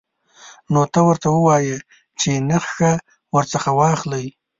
نو ته ورته ووایه چې نخښه ورڅخه واخلئ.